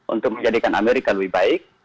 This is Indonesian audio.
untuk menjadikan amerika lebih baik